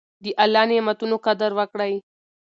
د الله نعمتونو قدر وکړئ.